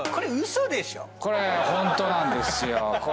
これホントなんですよ。